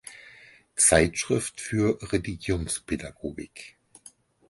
Zeitschrift für Religionspädagogik.